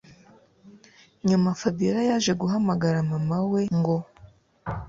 nyuma fabiora yaje guhamagara mama we ngo